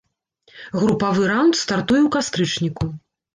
Групавы раўнд стартуе ў кастрычніку.